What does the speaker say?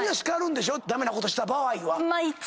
駄目なことした場合は。